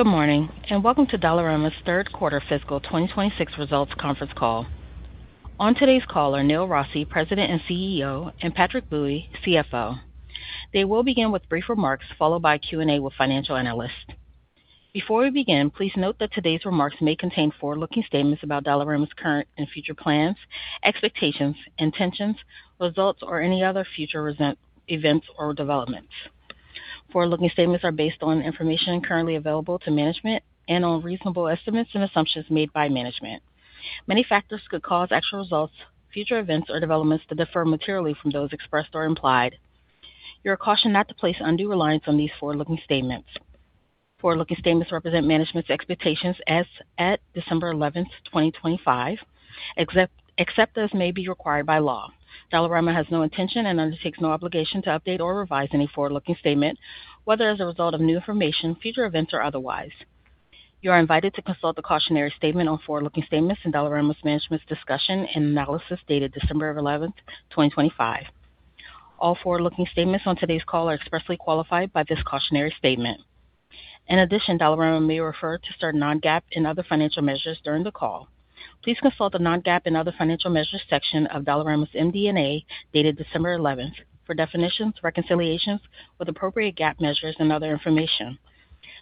Good morning, and welcome to Dollarama's third quarter fiscal 2026 results conference call. On today's call are Neil Rossy, President and CEO, and Patrick Bui, CFO. They will begin with brief remarks followed by Q&A with financial analysts. Before we begin, please note that today's remarks may contain forward-looking statements about Dollarama's current and future plans, expectations, intentions, results, or any other future events or developments. Forward-looking statements are based on information currently available to management and on reasonable estimates and assumptions made by management. Many factors could cause actual results, future events, or developments to differ materially from those expressed or implied. You're cautioned not to place undue reliance on these forward-looking statements. Forward-looking statements represent management's expectations as at December 11th, 2025, except as may be required by law. Dollarama has no intention and undertakes no obligation to update or revise any forward-looking statement, whether as a result of new information, future events, or otherwise. You are invited to consult the cautionary statement on forward-looking statements in Dollarama's Management's Discussion and Analysis dated December 11th, 2025. All forward-looking statements on today's call are expressly qualified by this cautionary statement. In addition, Dollarama may refer to certain Non-GAAP and other financial measures during the call. Please consult the Non-GAAP and other financial measures section of Dollarama's MD&A dated December 11th for definitions, reconciliations with appropriate GAAP measures, and other information.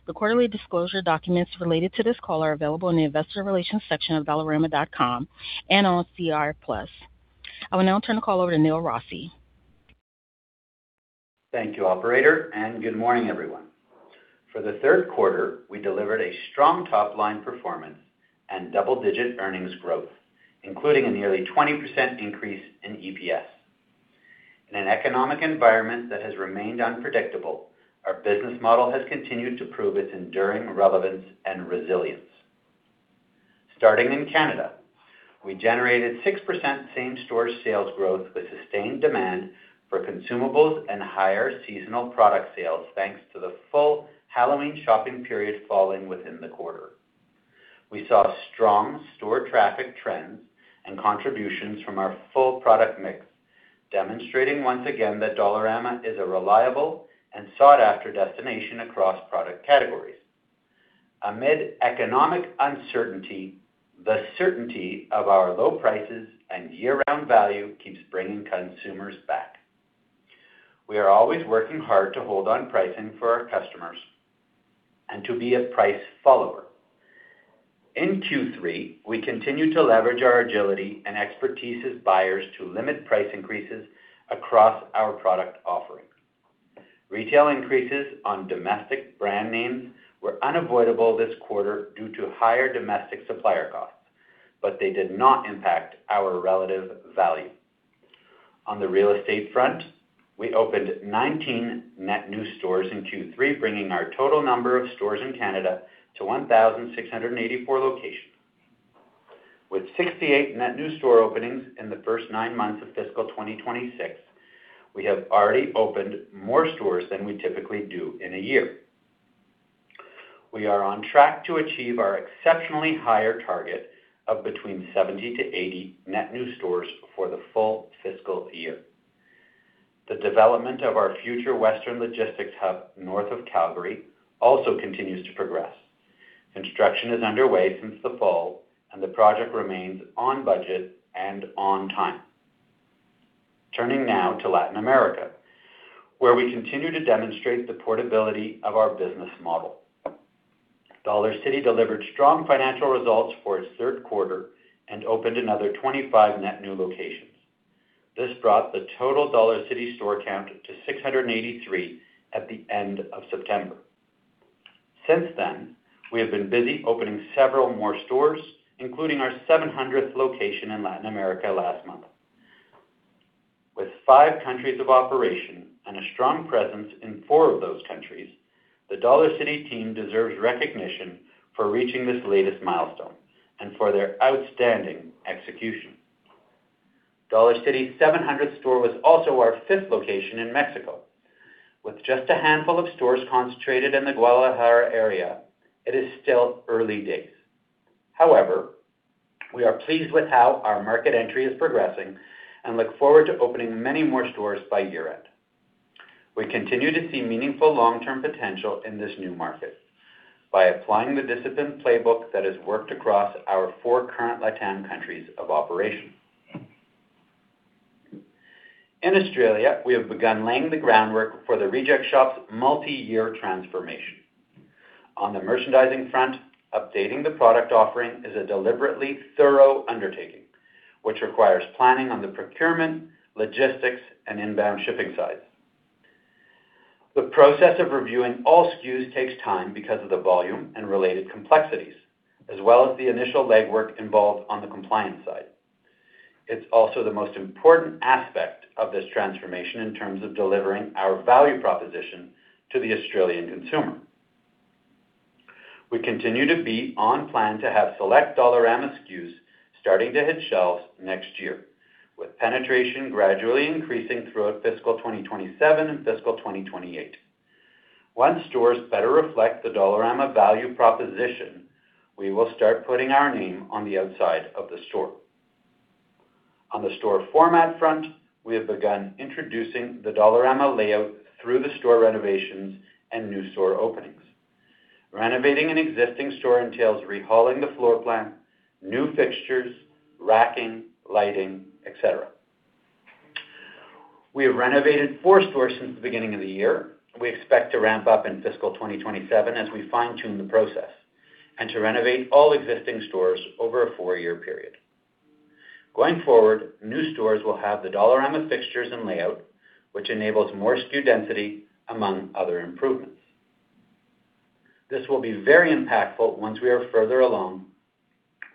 The quarterly disclosure documents related to this call are available in the investor relations section of dollarama.com and on SEDAR+. I will now turn the call over to Neil Rossy. Thank you, Operator, and good morning, everyone. For the third quarter, we delivered a strong top-line performance and double-digit earnings growth, including a nearly 20% increase in EPS. In an economic environment that has remained unpredictable, our business model has continued to prove its enduring relevance and resilience. Starting in Canada, we generated 6% same-store sales growth with sustained demand for consumables and higher seasonal product sales, thanks to the full Halloween shopping period falling within the quarter. We saw strong store traffic trends and contributions from our full product mix, demonstrating once again that Dollarama is a reliable and sought-after destination across product categories. Amid economic uncertainty, the certainty of our low prices and year-round value keeps bringing consumers back. We are always working hard to hold on pricing for our customers and to be a price follower. In Q3, we continue to leverage our agility and expertise as buyers to limit price increases across our product offering. Retail increases on domestic brand names were unavoidable this quarter due to higher domestic supplier costs, but they did not impact our relative value. On the real estate front, we opened 19 net new stores in Q3, bringing our total number of stores in Canada to 1,684 locations. With 68 net new store openings in the first nine months of fiscal 2026, we have already opened more stores than we typically do in a year. We are on track to achieve our exceptionally higher target of between 70 to 80 net new stores for the full fiscal year. The development of our future Western Logistics Hub north of Calgary also continues to progress. Construction is underway since the fall, and the project remains on budget and on time. Turning now to Latin America, where we continue to demonstrate the portability of our business model. Dollarcity delivered strong financial results for its third quarter and opened another 25 net new locations. This brought the total Dollarcity store count to 683 at the end of September. Since then, we have been busy opening several more stores, including our 700th location in Latin America last month. With five countries of operation and a strong presence in four of those countries, the Dollarcity team deserves recognition for reaching this latest milestone and for their outstanding execution. Dollarcity's 700th store was also our fifth location in Mexico. With just a handful of stores concentrated in the Guadalajara area, it is still early days. However, we are pleased with how our market entry is progressing and look forward to opening many more stores by year-end. We continue to see meaningful long-term potential in this new market by applying the discipline playbook that has worked across our four current LatAm countries of operation. In Australia, we have begun laying the groundwork for The Reject Shop's multi-year transformation. On the merchandising front, updating the product offering is a deliberately thorough undertaking, which requires planning on the procurement, logistics, and inbound shipping sides. The process of reviewing all SKUs takes time because of the volume and related complexities, as well as the initial legwork involved on the compliance side. It's also the most important aspect of this transformation in terms of delivering our value proposition to the Australian consumer. We continue to be on plan to have select Dollarama SKUs starting to hit shelves next year, with penetration gradually increasing throughout fiscal 2027 and fiscal 2028. Once stores better reflect the Dollarama value proposition, we will start putting our name on the outside of the store. On the store format front, we have begun introducing the Dollarama layout through the store renovations and new store openings. Overhauling an existing store entails overhauling the floor plan, new fixtures, racking, lighting, etc. We have renovated four stores since the beginning of the year. We expect to ramp up in fiscal 2027 as we fine-tune the process and to renovate all existing stores over a four-year period. Going forward, new stores will have the Dollarama fixtures and layout, which enables more SKU density, among other improvements. This will be very impactful once we are further along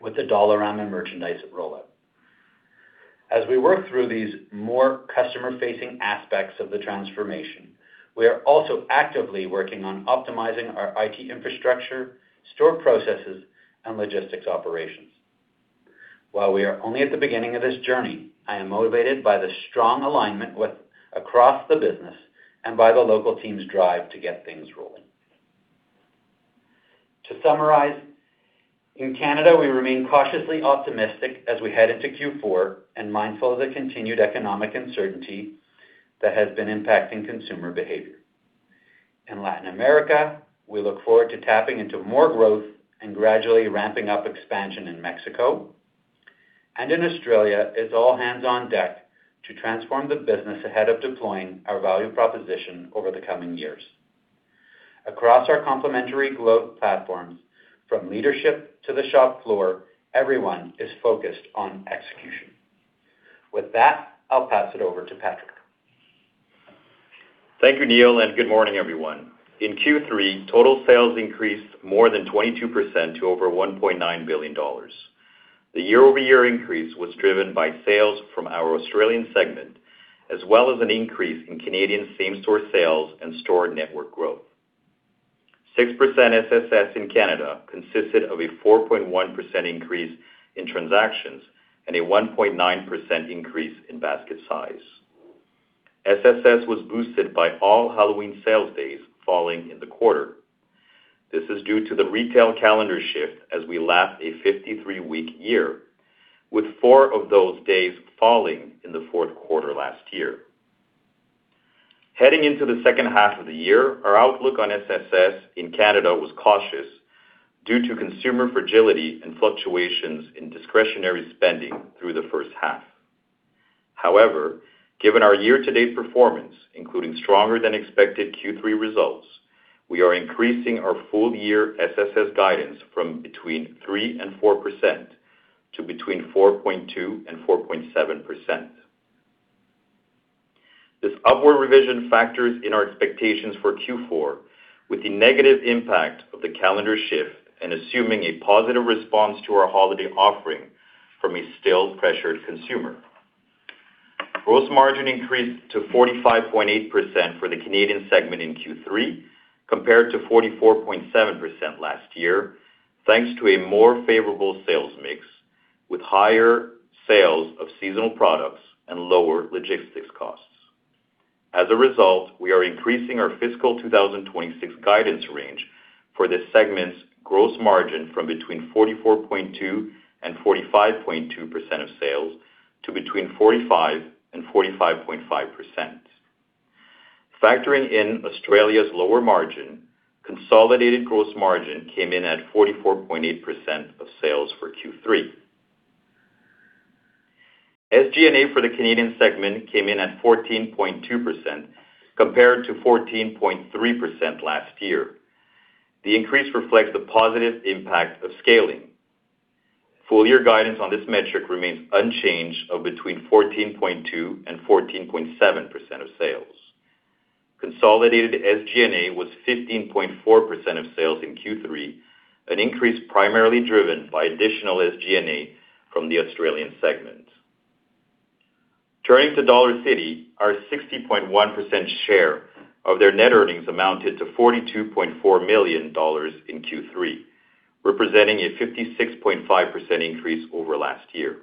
with the Dollarama merchandise rollout. As we work through these more customer-facing aspects of the transformation, we are also actively working on optimizing our IT infrastructure, store processes, and logistics operations. While we are only at the beginning of this journey, I am motivated by the strong alignment across the business and by the local team's drive to get things rolling. To summarize, in Canada, we remain cautiously optimistic as we head into Q4 and mindful of the continued economic uncertainty that has been impacting consumer behavior. In Latin America, we look forward to tapping into more growth and gradually ramping up expansion in Mexico. And in Australia, it's all hands on deck to transform the business ahead of deploying our value proposition over the coming years. Across our complementary growth platforms, from leadership to the shop floor, everyone is focused on execution. With that, I'll pass it over to Patrick. Thank you, Neil, and good morning, everyone. In Q3, total sales increased more than 22% to over 1.9 billion dollars. The year-over-year increase was driven by sales from our Australian segment, as well as an increase in Canadian same-store sales and store network growth. 6% SSS in Canada consisted of a 4.1% increase in transactions and a 1.9% increase in basket size. SSS was boosted by all Halloween sales days falling in the quarter. This is due to the retail calendar shift as we lap a 53-week year, with four of those days falling in the fourth quarter last year. Heading into the second half of the year, our outlook on SSS in Canada was cautious due to consumer fragility and fluctuations in discretionary spending through the first half. However, given our year-to-date performance, including stronger-than-expected Q3 results, we are increasing our full-year SSS guidance from between 3% and 4% to between 4.2% and 4.7%. This upward revision factors in our expectations for Q4, with the negative impact of the calendar shift and assuming a positive response to our holiday offering from a still pressured consumer. Gross margin increased to 45.8% for the Canadian segment in Q3, compared to 44.7% last year, thanks to a more favorable sales mix, with higher sales of seasonal products and lower logistics costs. As a result, we are increasing our fiscal 2026 guidance range for this segment's gross margin from between 44.2% and 45.2% of sales to between 45% and 45.5%. Factoring in Australia's lower margin, consolidated gross margin came in at 44.8% of sales for Q3. SG&A for the Canadian segment came in at 14.2%, compared to 14.3% last year. The increase reflects the positive impact of scaling. Full-year guidance on this metric remains unchanged at between 14.2% and 14.7% of sales. Consolidated SG&A was 15.4% of sales in Q3, an increase primarily driven by additional SG&A from the Australian segment. Turning to Dollarcity, our 60.1% share of their net earnings amounted to $42.4 million in Q3, representing a 56.5% increase over last year.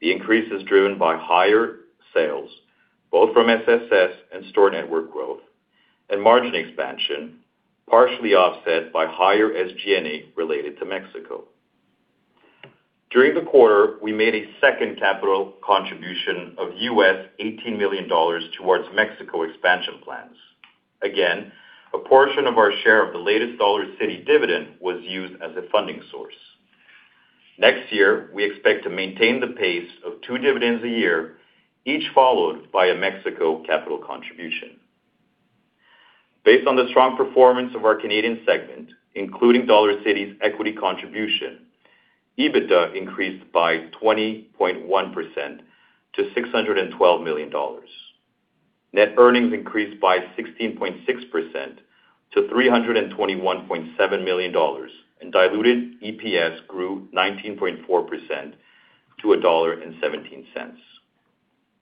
The increase is driven by higher sales, both from SSS and store network growth, and margin expansion, partially offset by higher SG&A related to Mexico. During the quarter, we made a second capital contribution of US$18 million towards Mexico expansion plans. Again, a portion of our share of the latest Dollarcity dividend was used as a funding source. Next year, we expect to maintain the pace of two dividends a year, each followed by a Mexico capital contribution. Based on the strong performance of our Canadian segment, including Dollarcity's equity contribution, EBITDA increased by 20.1% to 612 million dollars. Net earnings increased by 16.6% to 321.7 million dollars, and diluted EPS grew 19.4% to 1.17 dollar.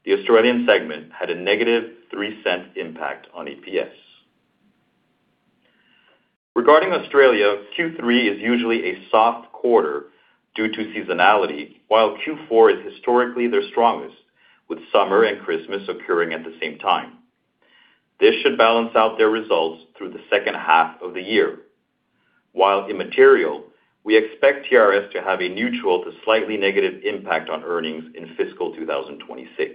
The Australian segment had a negative 3% impact on EPS. Regarding Australia, Q3 is usually a soft quarter due to seasonality, while Q4 is historically their strongest, with summer and Christmas occurring at the same time. This should balance out their results through the second half of the year. While immaterial, we expect TRS to have a neutral to slightly negative impact on earnings in fiscal 2026.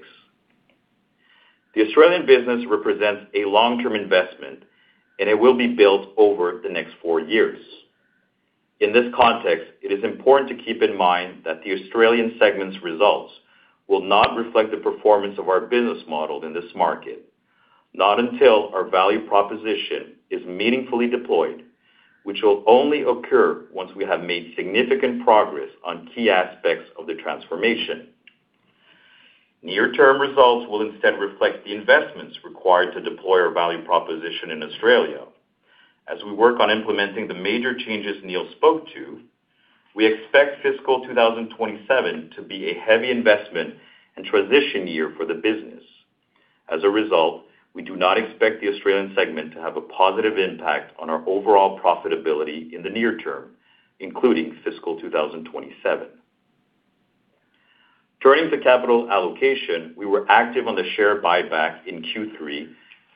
The Australian business represents a long-term investment, and it will be built over the next four years. In this context, it is important to keep in mind that the Australian segment's results will not reflect the performance of our business model in this market, not until our value proposition is meaningfully deployed, which will only occur once we have made significant progress on key aspects of the transformation. Near-term results will instead reflect the investments required to deploy our value proposition in Australia. As we work on implementing the major changes Neil spoke to, we expect fiscal 2027 to be a heavy investment and transition year for the business. As a result, we do not expect the Australian segment to have a positive impact on our overall profitability in the near term, including fiscal 2027. Turning to capital allocation, we were active on the share buyback in Q3,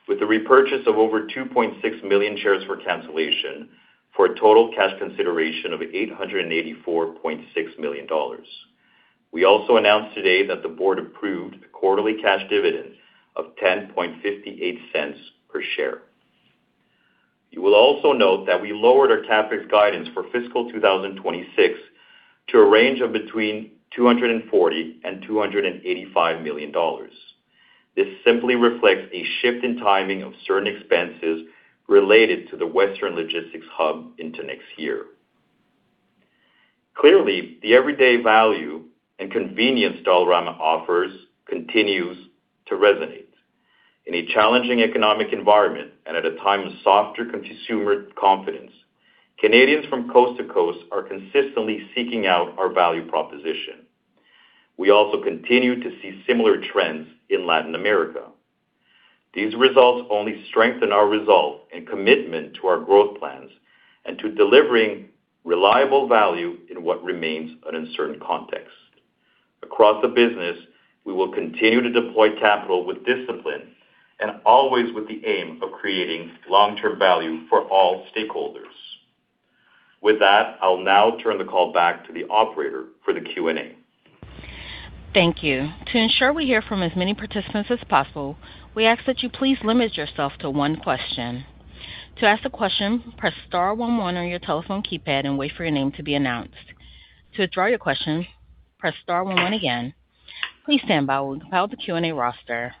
with a repurchase of over 2.6 million shares for cancellation, for a total cash consideration of 884.6 million dollars. We also announced today that the board approved a quarterly cash dividend of 0.1058 per share. You will also note that we lowered our CapEx guidance for fiscal 2026 to a range of between 240 million and 285 million dollars. This simply reflects a shift in timing of certain expenses related to the Western Logistics Hub into next year. Clearly, the everyday value and convenience Dollarama offers continues to resonate. In a challenging economic environment and at a time of softer consumer confidence, Canadians from coast to coast are consistently seeking out our value proposition. We also continue to see similar trends in Latin America. These results only strengthen our resolve and commitment to our growth plans and to delivering reliable value in what remains an uncertain context. Across the business, we will continue to deploy capital with discipline and always with the aim of creating long-term value for all stakeholders. With that, I'll now turn the call back to the operator for the Q&A. Thank you. To ensure we hear from as many participants as possible, we ask that you please limit yourself to one question. To ask a question, press star 11 on your telephone keypad and wait for your name to be announced. To withdraw your question, press star 11 again. Please stand by while we compile the Q&A roster.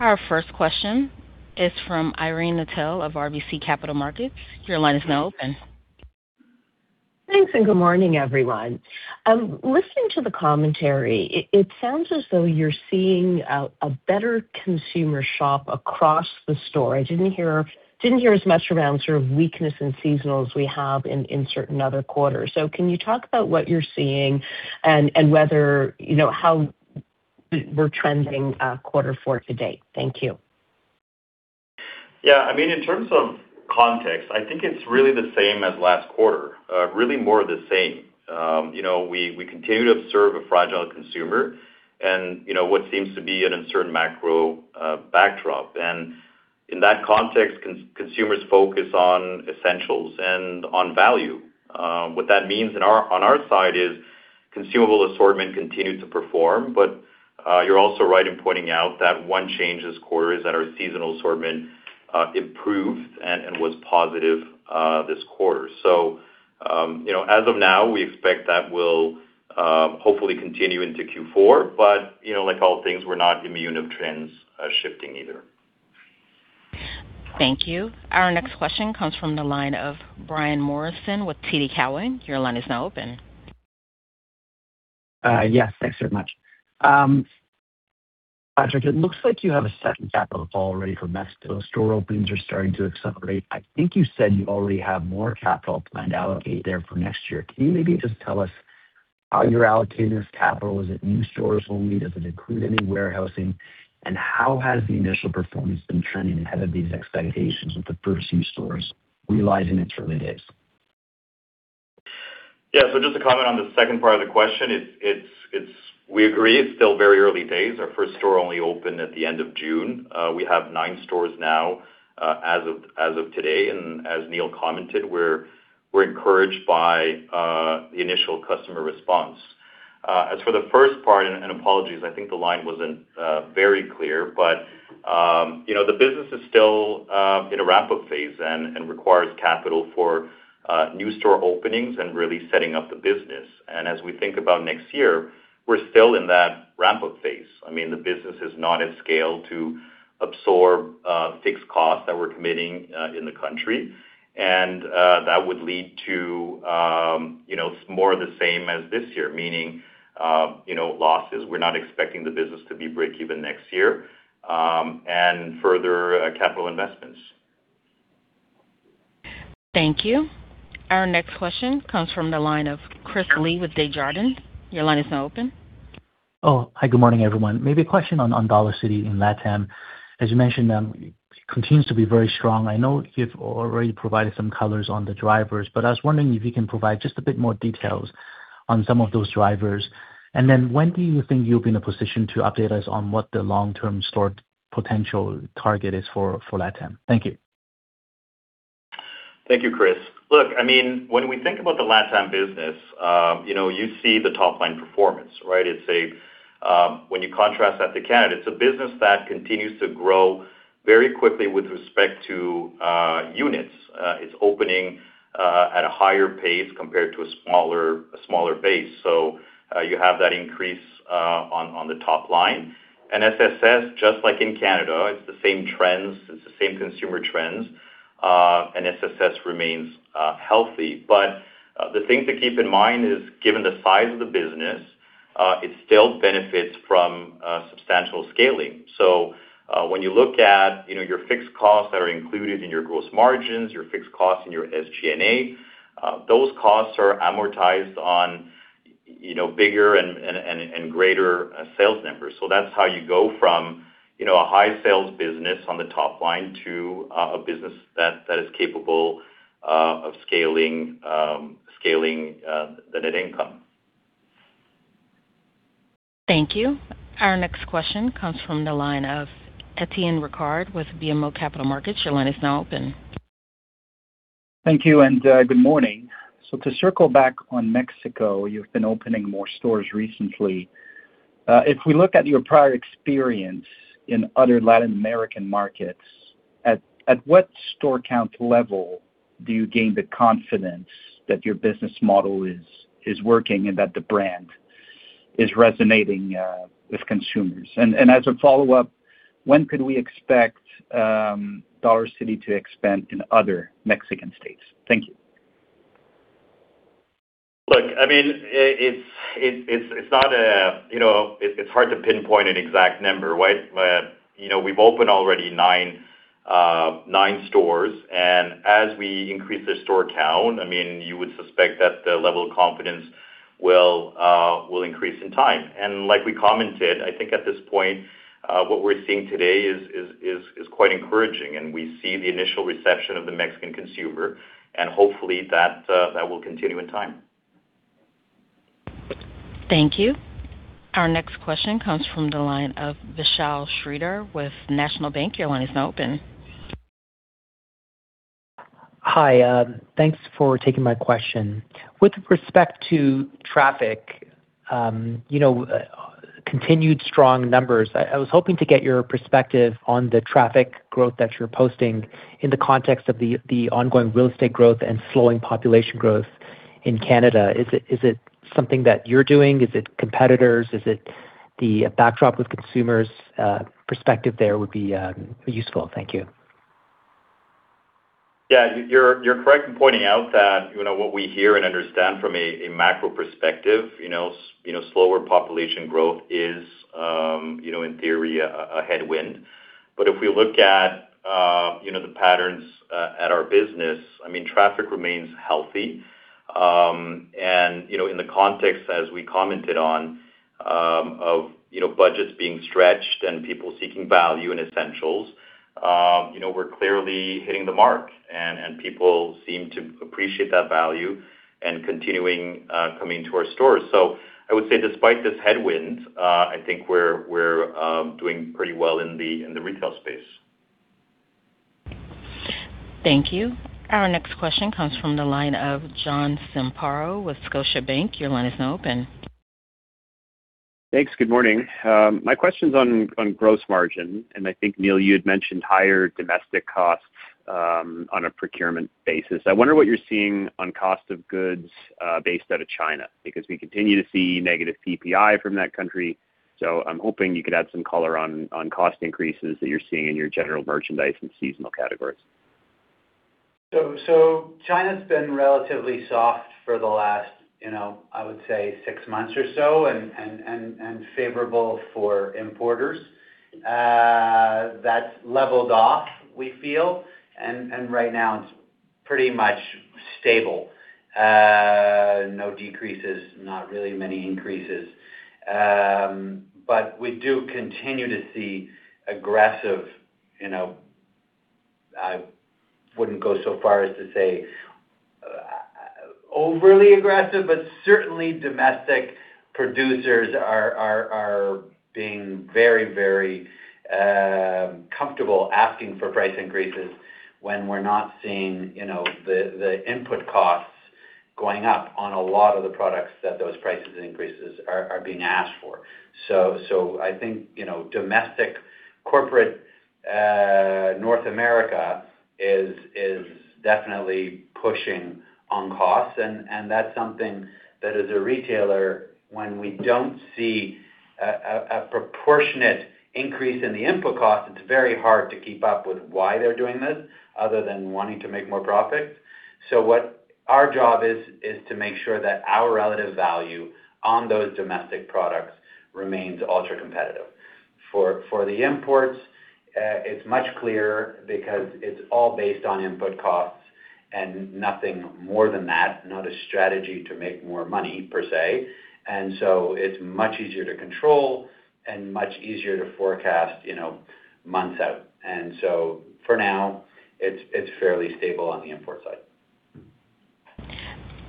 Our first question is from Irene Nattel of RBC Capital Markets. Your line is now open. Thanks, and good morning, everyone. Listening to the commentary, it sounds as though you're seeing a better consumer shop across the store. I didn't hear as much around sort of weakness in seasonal as we have in certain other quarters. So can you talk about what you're seeing and how we're trending quarter four today? Thank you. Yeah. I mean, in terms of context, I think it's really the same as last quarter, really more of the same. We continue to observe a fragile consumer and what seems to be an uncertain macro backdrop, and in that context, consumers focus on essentials and on value. What that means on our side is consumable assortment continues to perform, but you're also right in pointing out that one change this quarter is that our seasonal assortment improved and was positive this quarter, so as of now, we expect that will hopefully continue into Q4, but like all things, we're not immune of trends shifting either. Thank you. Our next question comes from the line of Brian Morrison with TD Cowen. Your line is now open. Yes, thanks very much. Patrick, it looks like you have a second capital call ready for Mexico. Store openings are starting to accelerate. I think you said you already have more capital planned to allocate there for next year. Can you maybe just tell us how you're allocating this capital? Is it new stores only? Does it include any warehousing? And how has the initial performance been trending ahead of these expectations with the first few stores realizing it's early days? Yeah. So just a comment on the second part of the question. We agree it's still very early days. Our first store only opened at the end of June. We have nine stores now as of today. And as Neil commented, we're encouraged by the initial customer response. As for the first part, and apologies, I think the line wasn't very clear, but the business is still in a ramp-up phase and requires capital for new store openings and really setting up the business. And as we think about next year, we're still in that ramp-up phase. I mean, the business is not at scale to absorb fixed costs that we're committing in the country. And that would lead to more of the same as this year, meaning losses. We're not expecting the business to be break-even next year and further capital investments. Thank you. Our next question comes from the line of Chris Li with Desjardins. Your line is now open. Oh, hi, good morning, everyone. Maybe a question on Dollarcity in LatAm. As you mentioned, it continues to be very strong. I know you've already provided some colors on the drivers, but I was wondering if you can provide just a bit more details on some of those drivers. And then when do you think you'll be in a position to update us on what the long-term store potential target is for LatAm? Thank you. Thank you, Chris. Look, I mean, when we think about the LatAm business, you see the top-line performance, right? When you contrast that to Canada, it's a business that continues to grow very quickly with respect to units. It's opening at a higher pace compared to a smaller base. So you have that increase on the top line. And SSS, just like in Canada, it's the same trends. It's the same consumer trends. And SSS remains healthy. But the thing to keep in mind is, given the size of the business, it still benefits from substantial scaling. So when you look at your fixed costs that are included in your gross margins, your fixed costs in your SG&A, those costs are amortized on bigger and greater sales numbers. So that's how you go from a high-sales business on the top line to a business that is capable of scaling the net income. Thank you. Our next question comes from the line of Etienne Ricard with BMO Capital Markets. Your line is now open. Thank you, and good morning. So to circle back on Mexico, you've been opening more stores recently. If we look at your prior experience in other Latin American markets, at what store count level do you gain the confidence that your business model is working and that the brand is resonating with consumers? And as a follow-up, when could we expect Dollarcity to expand in other Mexican states? Thank you. Look, I mean, it's not. It's hard to pinpoint an exact number, right? We've opened already nine stores. And as we increase the store count, I mean, you would suspect that the level of confidence will increase in time. And like we commented, I think at this point, what we're seeing today is quite encouraging. And we see the initial reception of the Mexican consumer, and hopefully that will continue in time. Thank you. Our next question comes from the line of Vishal Shreedhar with National Bank. Your line is now open. Hi. Thanks for taking my question. With respect to traffic, continued strong numbers, I was hoping to get your perspective on the traffic growth that you're posting in the context of the ongoing real estate growth and slowing population growth in Canada. Is it something that you're doing? Is it competitors? Is it the backdrop with consumers? Perspective there would be useful. Thank you. Yeah. You're correct in pointing out that what we hear and understand from a macro perspective, slower population growth is, in theory, a headwind. But if we look at the patterns at our business, I mean, traffic remains healthy. And in the context, as we commented on, of budgets being stretched and people seeking value in essentials, we're clearly hitting the mark. And people seem to appreciate that value and continuing coming to our stores. So I would say, despite this headwind, I think we're doing pretty well in the retail space. Thank you. Our next question comes from the line of John Zamparo with Scotiabank. Your line is now open. Thanks. Good morning. My question's on gross margin. And I think, Neil, you had mentioned higher domestic costs on a procurement basis. I wonder what you're seeing on cost of goods based out of China because we continue to see negative PPI from that country. So I'm hoping you could add some color on cost increases that you're seeing in your general merchandise and seasonal categories. So China's been relatively soft for the last, I would say, six months or so and favorable for importers. That's leveled off, we feel. And right now, it's pretty much stable. No decreases, not really many increases. But we do continue to see aggressive, I wouldn't go so far as to say overly aggressive, but certainly domestic producers are being very, very comfortable asking for price increases when we're not seeing the input costs going up on a lot of the products that those price increases are being asked for. So I think domestic corporate North America is definitely pushing on costs. And that's something that, as a retailer, when we don't see a proportionate increase in the input cost, it's very hard to keep up with why they're doing this other than wanting to make more profit. So our job is to make sure that our relative value on those domestic products remains ultra-competitive. For the imports, it's much clearer because it's all based on input costs and nothing more than that, not a strategy to make more money per se. And so it's much easier to control and much easier to forecast months out. And so for now, it's fairly stable on the import side.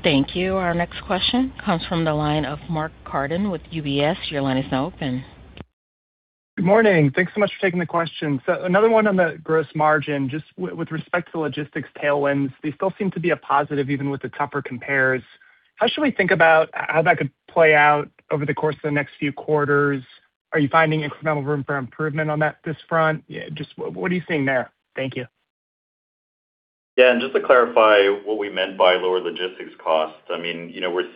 Thank you. Our next question comes from the line of Mark Carden with UBS. Your line is now open. Good morning. Thanks so much for taking the question. Another one on the gross margin, just with respect to logistics tailwinds, they still seem to be a positive even with the tougher compares. How should we think about how that could play out over the course of the next few quarters? Are you finding incremental room for improvement on this front? Just what are you seeing there? Thank you. Yeah. And just to clarify what we meant by lower logistics costs, I mean, we're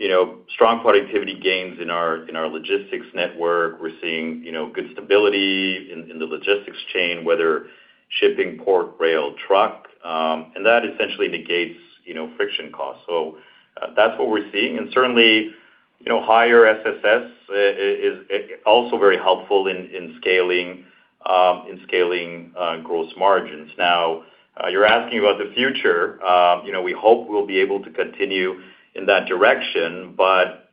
seeing strong productivity gains in our logistics network. We're seeing good stability in the logistics chain, whether shipping, port, rail, truck. And that essentially negates friction costs. So that's what we're seeing. And certainly, higher SSS is also very helpful in scaling gross margins. Now, you're asking about the future. We hope we'll be able to continue in that direction, but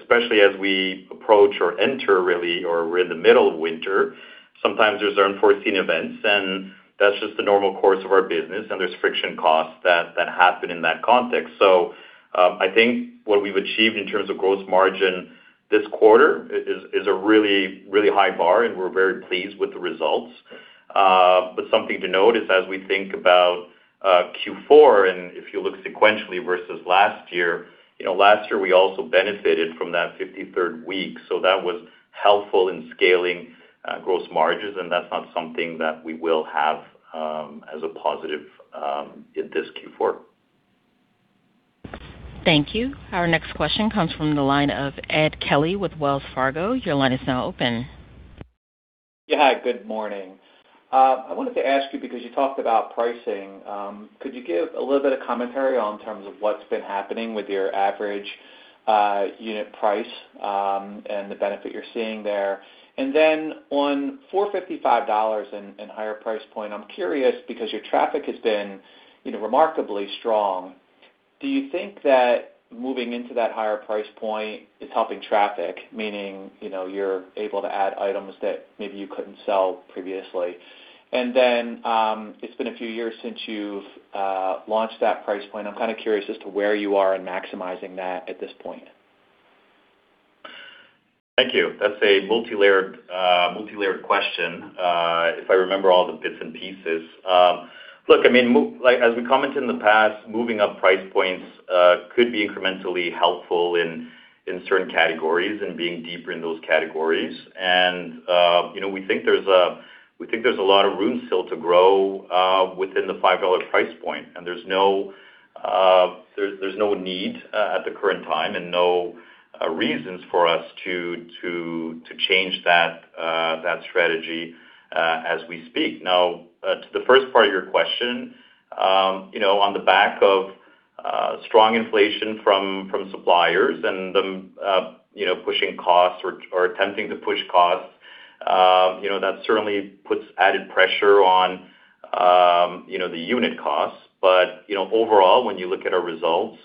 especially as we approach or enter, really, or we're in the middle of winter, sometimes there's unforeseen events. And that's just the normal course of our business. And there's friction costs that happen in that context. So I think what we've achieved in terms of gross margin this quarter is a really, really high bar. And we're very pleased with the results. But something to note is, as we think about Q4 and if you look sequentially versus last year, last year, we also benefited from that 53rd week. So that was helpful in scaling gross margins. And that's not something that we will have as a positive in this Q4. Thank you. Our next question comes from the line of Ed Kelly with Wells Fargo. Your line is now open. Yeah. Good morning. I wanted to ask you because you talked about pricing. Could you give a little bit of commentary in terms of what's been happening with your average unit price and the benefit you're seeing there? And then on the $4-$5 and higher price point, I'm curious because your traffic has been remarkably strong. Do you think that moving into that higher price point is helping traffic, meaning you're able to add items that maybe you couldn't sell previously? And then it's been a few years since you've launched that price point. I'm kind of curious as to where you are in maximizing that at this point. Thank you. That's a multi-layered question, if I remember all the bits and pieces. Look, I mean, as we commented in the past, moving up price points could be incrementally helpful in certain categories and being deeper in those categories, and we think there's a lot of room still to grow within the 5 dollar price point. And there's no need at the current time and no reasons for us to change that strategy as we speak. Now, to the first part of your question, on the back of strong inflation from suppliers and them pushing costs or attempting to push costs, that certainly puts added pressure on the unit costs, but overall, when you look at our results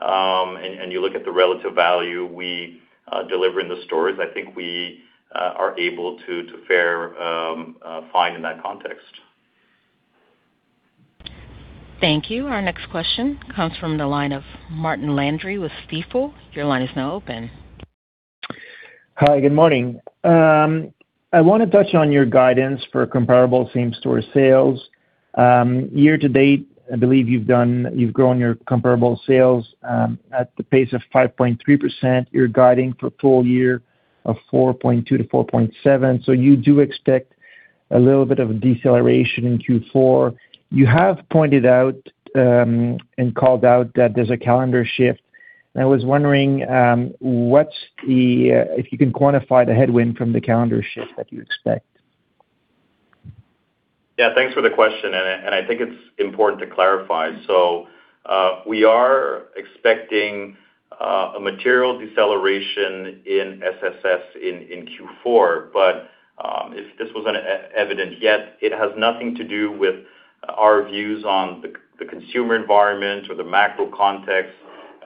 and you look at the relative value we deliver in the stores, I think we are able to fare fine in that context. Thank you. Our next question comes from the line of Martin Landry with Stifel. Your line is now open. Hi. Good morning. I want to touch on your guidance for comparable same-store sales. Year to date, I believe you've grown your comparable sales at the pace of 5.3%. You're guiding for a full year of 4.2%-4.7%. So you do expect a little bit of a deceleration in Q4. You have pointed out and called out that there's a calendar shift, and I was wondering if you can quantify the headwind from the calendar shift that you expect. Yeah. Thanks for the question. And I think it's important to clarify. So we are expecting a material deceleration in SSS in Q4. But if this wasn't evident yet, it has nothing to do with our views on the consumer environment or the macro context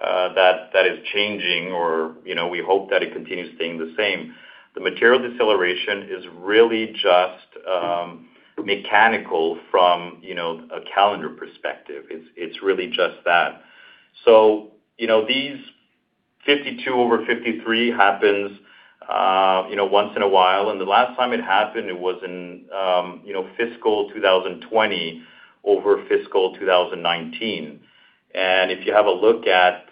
that is changing, or we hope that it continues staying the same. The material deceleration is really just mechanical from a calendar perspective. It's really just that. So these 52 over 53 happens once in a while. And the last time it happened, it was in fiscal 2020 over fiscal 2019. And if you have a look at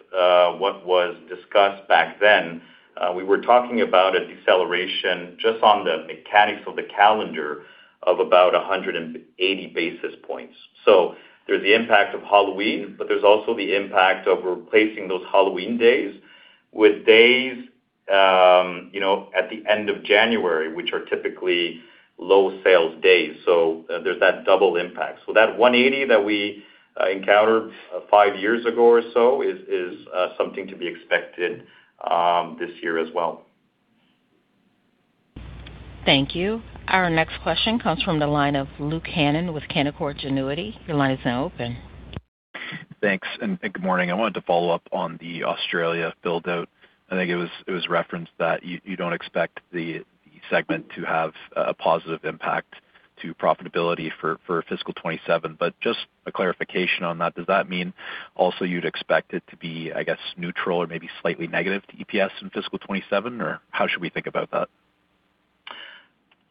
what was discussed back then, we were talking about a deceleration just on the mechanics of the calendar of about 180 basis points. So there's the impact of Halloween, but there's also the impact of replacing those Halloween days with days at the end of January, which are typically low sales days. So there's that double impact. So that 180 that we encountered five years ago or so is something to be expected this year as well. Thank you. Our next question comes from the line of Luke Hannan with Canaccord Genuity. Your line is now open. Thanks. And good morning. I wanted to follow up on the Australia build-out. I think it was referenced that you don't expect the segment to have a positive impact to profitability for fiscal 2027. But just a clarification on that. Does that mean also you'd expect it to be, I guess, neutral or maybe slightly negative to EPS in fiscal 2027? Or how should we think about that?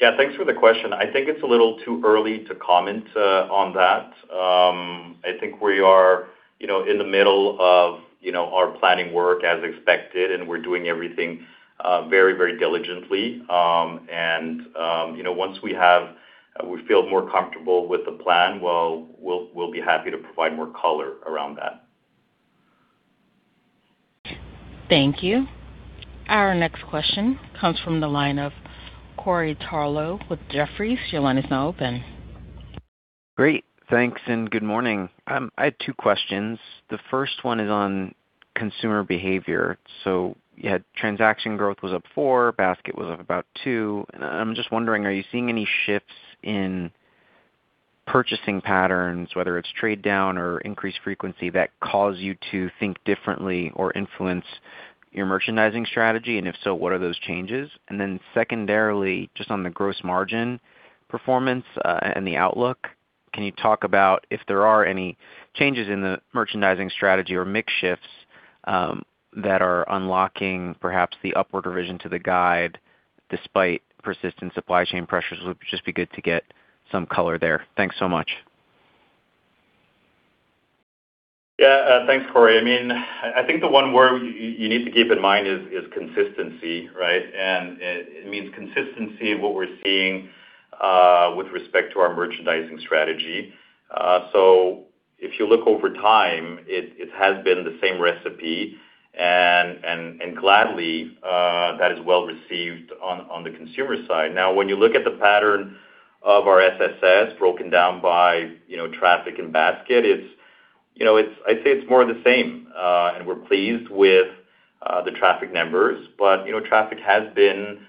Yeah. Thanks for the question. I think it's a little too early to comment on that. I think we are in the middle of our planning work as expected, and we're doing everything very, very diligently, and once we feel more comfortable with the plan, well, we'll be happy to provide more color around that. Thank you. Our next question comes from the line of Corey Tarlowe with Jefferies. Your line is now open. Great. Thanks and good morning. I had two questions. The first one is on consumer behavior. So you had transaction growth was up 4%, basket was up about 2%. And I'm just wondering, are you seeing any shifts in purchasing patterns, whether it's trade-down or increased frequency, that cause you to think differently or influence your merchandising strategy? And if so, what are those changes? And then secondarily, just on the gross margin performance and the outlook, can you talk about if there are any changes in the merchandising strategy or mix shifts that are unlocking perhaps the upward revision to the guide despite persistent supply chain pressures? It would just be good to get some color there. Thanks so much. Yeah. Thanks, Corey. I mean, I think the one word you need to keep in mind is consistency, right? And it means consistency in what we're seeing with respect to our merchandising strategy. So if you look over time, it has been the same recipe. And gladly, that is well received on the consumer side. Now, when you look at the pattern of our SSS broken down by traffic and basket, I'd say it's more of the same. And we're pleased with the traffic numbers. But traffic has been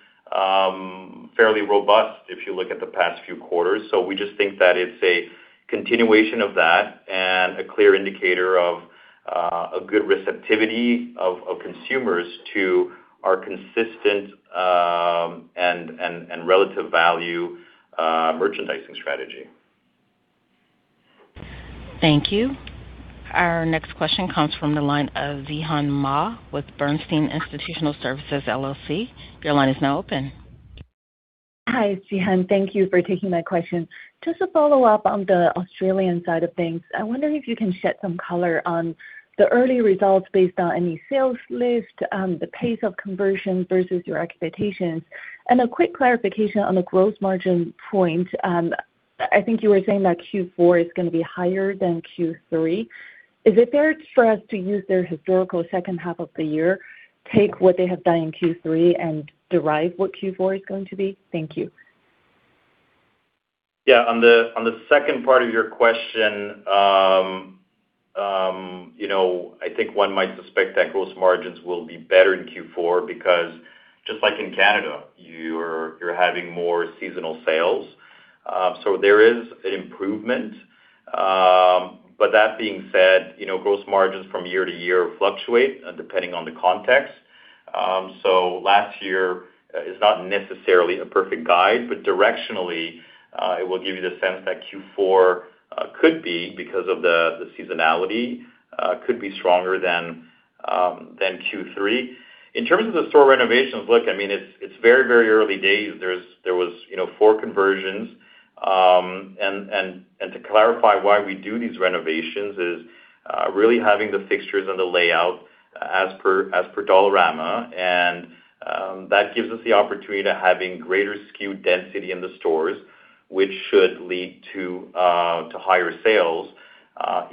fairly robust if you look at the past few quarters. So we just think that it's a continuation of that and a clear indicator of a good receptivity of consumers to our consistent and relative value merchandising strategy. Thank you. Our next question comes from the line of Zihan Ma with Bernstein Institutional Services LLC. Your line is now open. Hi, Zihan. Thank you for taking my question. Just to follow up on the Australian side of things, I wonder if you can add some color on the early results based on any sales lift, the pace of conversion versus your expectations, and a quick clarification on the gross margin point. I think you were saying that Q4 is going to be higher than Q3. Is it fair for us to use their historical second half of the year, take what they have done in Q3, and derive what Q4 is going to be? Thank you. Yeah. On the second part of your question, I think one might suspect that gross margins will be better in Q4 because, just like in Canada, you're having more seasonal sales. So there is an improvement. But that being said, gross margins from year to year fluctuate depending on the context. So last year is not necessarily a perfect guide, but directionally, it will give you the sense that Q4 could be, because of the seasonality, could be stronger than Q3. In terms of the store renovations, look, I mean, it's very, very early days. There were four conversions. And to clarify why we do these renovations is really having the fixtures and the layout as per Dollarama. And that gives us the opportunity to have greater SKU density in the stores, which should lead to higher sales,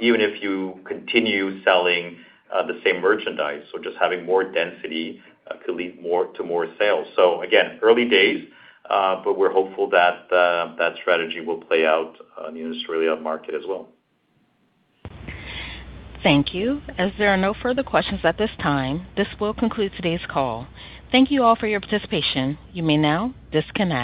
even if you continue selling the same merchandise. So just having more density could lead to more sales. So again, early days, but we're hopeful that that strategy will play out in the Australia market as well. Thank you. As there are no further questions at this time, this will conclude today's call. Thank you all for your participation. You may now disconnect.